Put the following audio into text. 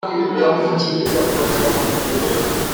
Bamwingingira kubajyana